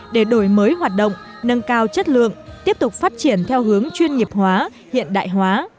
để đổi mới hoạt động nâng cao chất lượng tiếp tục phát triển theo hướng chuyên nghiệp hóa hiện đại hóa